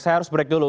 saya harus break dulu